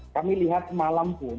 kami lihat semalam pun